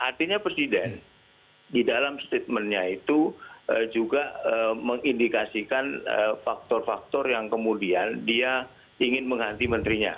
artinya presiden di dalam statementnya itu juga mengindikasikan faktor faktor yang kemudian dia ingin mengganti menterinya